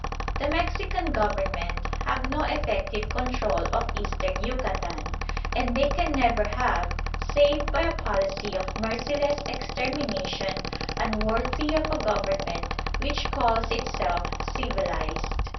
The Mexican Government have no effective control of Eastern Yucatan, and they can never have save by a policy of merciless extermination unworthy of a Government which calls itself civilised.